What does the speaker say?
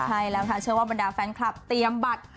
ใช่แล้วค่ะเชื่อว่าบรรดาแฟนคลับเตรียมบัตร